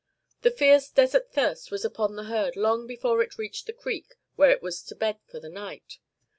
The fierce desert thirst was upon the herd long before it reached the creek where it was to bed for the night.